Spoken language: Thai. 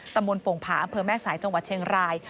ตำบลโป่งผาอำเภอแม่สายจังหวัดเชียงราย